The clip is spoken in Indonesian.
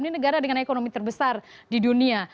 ini negara dengan ekonomi terbesar di dunia